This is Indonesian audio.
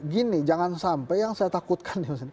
gini jangan sampai yang saya takutkan nih mas indra